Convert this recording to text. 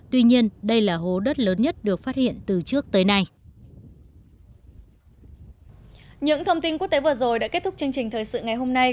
tuy nhiên đây là hố đất lớn nhất được phát hiện từ trước tới nay